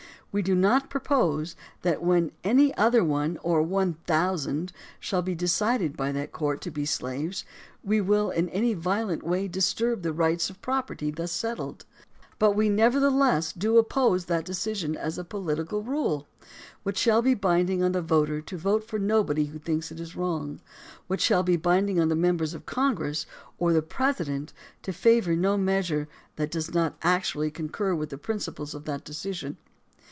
We do not propose that, when any other one, or one thousand, shall be decided by that court to be slaves, we will in any violent way disturb the rights of property thus settled; but we nevertheless do oppose that decision as a political rule, which shall be binding on the voter to vote for nobody who thinks it wrong, which shall be binding on the members of Congress or the President to favor no measure that does not actually concur with the principles of that decision.